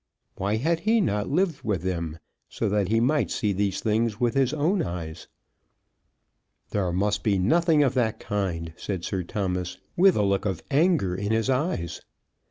Why had he not lived with them, so that he might see these things with his own eyes? "There must be nothing of that kind," said Sir Thomas, with a look of anger in his eyes.